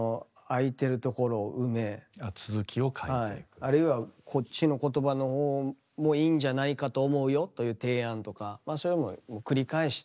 あるいはこっちの言葉の方もいいんじゃないかと思うよという提案とかそういう繰り返して。